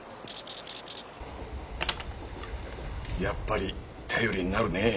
やっぱり頼りになるねえ。